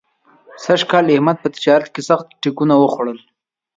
سږ کال احمد په تجارت کې سخت ټکونه وخوړل.